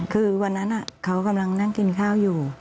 คือวันนั้นเขากำลังนั่งกินข้าวอยู่